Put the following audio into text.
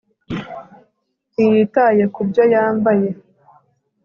ntiyitaye ku byo yambaye